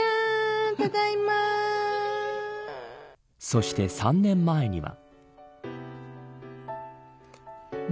そして３年前には。